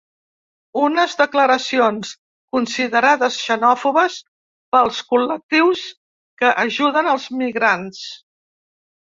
Unes declaracions considerades xenòfobes pels col·lectius que ajuden els migrants.